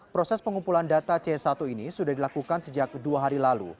proses pengumpulan data c satu ini sudah dilakukan sejak dua hari lalu